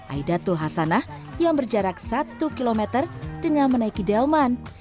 aidatul hasanah yang berjarak satu km dengan menaiki delman